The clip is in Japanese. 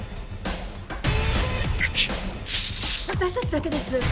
私たちだけです。